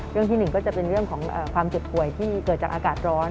ที่๑ก็จะเป็นเรื่องของความเจ็บป่วยที่เกิดจากอากาศร้อน